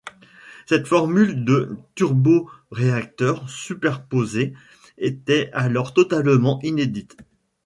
Cette formule de turboréacteurs superposés était alors totalement inédite.